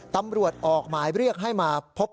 ตำรวจออกหมายเรียกให้มาพบ